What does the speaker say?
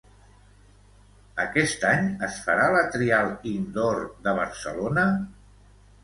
Aquest any es farà la "Trial Indoor" de Barcelona?